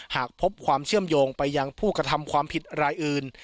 หากพบความเชื่อมโยงไปยังผู้กระทำความผิดรายอื่น